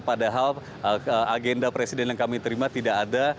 padahal agenda presiden yang kami terima tidak ada